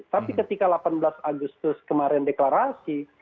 tapi ketika delapan belas agustus kemarin deklarasi